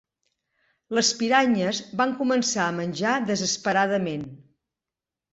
Les piranyes van començar a menjar desesperadament.